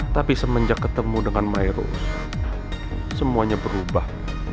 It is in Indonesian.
tapi semenjak ketemu dengan mairo semuanya berubah